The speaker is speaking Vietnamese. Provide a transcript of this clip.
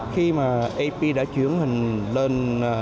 khi mà ap đã chuyển hình lên